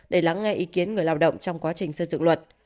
để lắng nghe ý kiến người lao động trong quá trình xây dựng luật